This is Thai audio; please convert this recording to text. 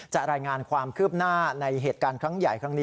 รายงานความคืบหน้าในเหตุการณ์ครั้งใหญ่ครั้งนี้